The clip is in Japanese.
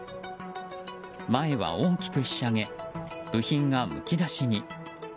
前は大きくひしゃげ部品がむき出しに。